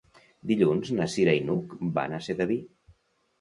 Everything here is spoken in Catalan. Dilluns na Cira i n'Hug van a Sedaví.